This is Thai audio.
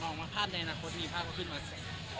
ออกมาภาพในอนาคตมีภาพก็ขึ้นมาเสร็จ